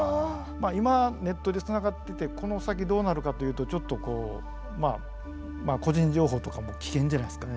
まあ今ネットで繋がっててこの先どうなるかというとちょっとこうまあ個人情報とかも危険じゃないですか。